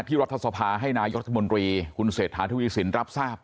ที่รัฐสภาให้นายศมนตรีคุณเศษฐานธุรกิจสินรับทราบ